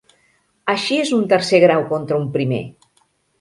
Així és un tercer grau contra un primer!